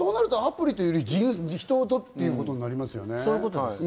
そうなるとアプリというよりか、人ごとっていうことになりますよね。